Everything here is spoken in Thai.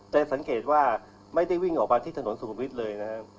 สังเกตว่าไม่ได้วิ่งออกมาที่ถนนสุขุมวิทย์เลยนะครับ